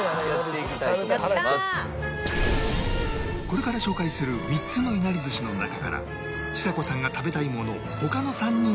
これから紹介する３つのいなり寿司の中からちさ子さんが食べたいものを他の３人が推理